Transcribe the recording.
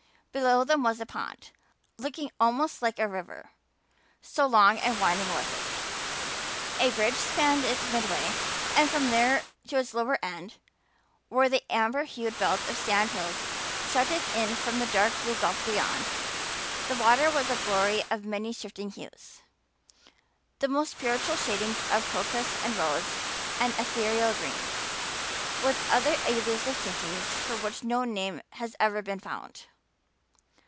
Below them was a pond, looking almost like a river so long and winding was it. A bridge spanned it midway and from there to its lower end, where an amber hued belt of sand hills shut it in from the dark blue gulf beyond, the water was a glory of many shifting hues the most spiritual shadings of crocus and rose and ethereal green, with other elusive tintings for which no name has ever been found.